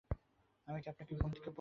আমি কি আপনাকে ঘুম থেকে তুললাম?